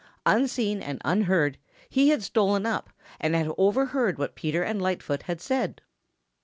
Unseen and unheard, he had stolen up and had overheard what Peter and Lightfoot had said.